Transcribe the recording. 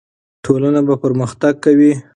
ټولنه به پرمختګ کوي.